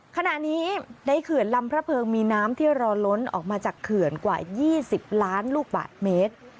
ขณะนี้ในเขื่อนลำพระเพิงมีน้ำที่รอล้นออกมาจากเขื่อนกว่า๒๐ล้านลูกบาทเมตร